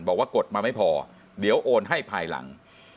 กดมาไม่พอเดี๋ยวโอนให้ภายหลัง